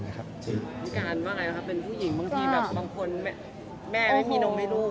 พิการว่าไงบ้างครับเป็นผู้หญิงบางทีแบบบางคนแม่ไม่มีนมให้ลูก